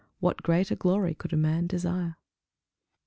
What greater glory could a man desire?